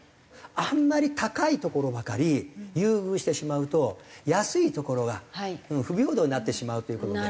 あんまり高いところばかり優遇してしまうと安いところが不平等になってしまうという事で。